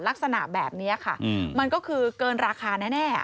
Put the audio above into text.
ลักษณะแบบนี้ค่ะมันก็คือเกินราคาแน่